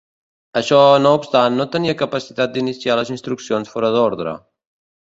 Això no obstant, no tenia capacitat d'iniciar les instruccions fora d'ordre.